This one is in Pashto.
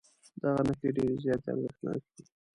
دغه نښې ډېرې زیاتې ارزښتناکې دي.